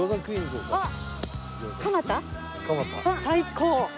最高！